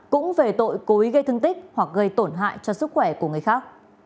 cũng về tội cố ý gây thương tích hoặc gây tổn hại cho sức khỏe của người khác